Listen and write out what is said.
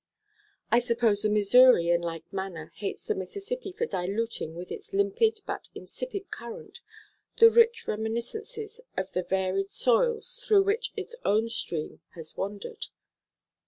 I suppose the Missouri in like manner hates the Mississippi for diluting with its limpid but insipid current the rich reminiscences of the varied soils through which its own stream has wandered.